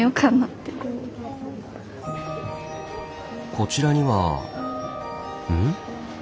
こちらにはうん？